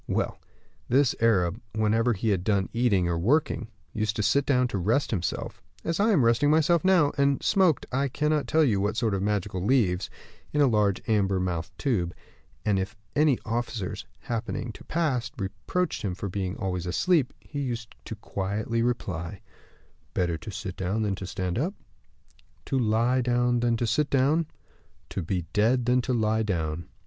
Well, this Arab, whenever he had done eating or working, used to sit down to rest himself, as I am resting myself now, and smoked I cannot tell you what sort of magical leaves, in a large amber mouthed tube; and if any officers, happening to pass, reproached him for being always asleep, he used quietly to reply: 'Better to sit down than to stand up, to lie down than to sit down, to be dead than to lie down.